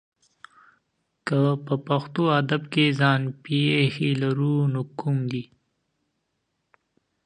که په پښتو ادب کې ځان پېښې لرو نو کوم دي؟